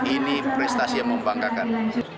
ini prestasi yang membanggakan